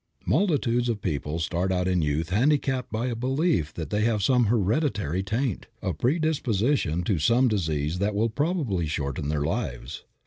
Multitudes of people start out in youth handicapped by a belief that they have some hereditary taint, a predisposition to some disease that will probably shorten their lives.